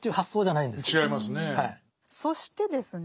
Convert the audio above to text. そしてですね